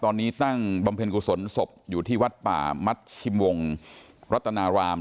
ตอนนี้ตั้งบำเพ็ญกุศลศพอยู่ที่วัดป่ามัชชิมวงรัตนาราม